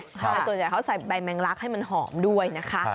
แต่ส่วนใหญ่เขาใส่ใบแมงลักให้มันหอมด้วยนะคะ